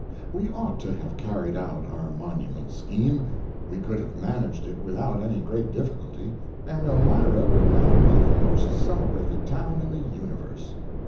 We ought to have carried out our monument scheme; we could have managed it without any great difficulty, and Elmira would now be the most celebrated town in the universe.